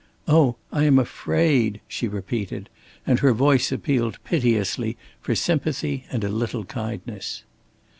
"Oh, I am afraid," she repeated; and her voice appealed piteously for sympathy and a little kindness.